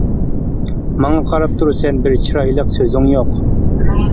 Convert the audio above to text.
ماڭا قاراپ تۇرىسەن، بىر چىرايلىق سۆزۈڭ يوق.